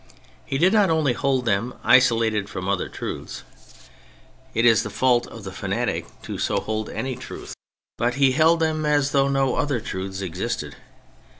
He did not only hold them isolated from other truths — it is the THE CHARACTERS 75 fault of the fanatic so to hold any truth — but he held them as though no other truths existed.